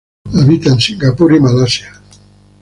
Habita en Singapur y Malasia.